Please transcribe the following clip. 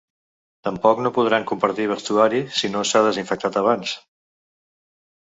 Tampoc no podran compartir vestuari si no s’ha desinfectat abans.